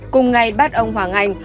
cùng ngày bắt ông hoàng anh